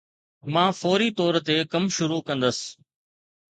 مان فوري طور تي ڪم شروع ڪندس